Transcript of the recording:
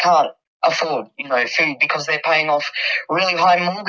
karena mereka membeli keuntungan yang sangat tinggi